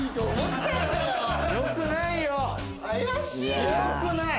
よくないよ。